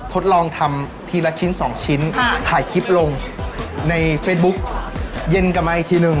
ทดลองทำทีละชิ้นสองชิ้นถ่ายคลิปลงในเฟซบุ๊กเย็นกลับมาอีกทีหนึ่ง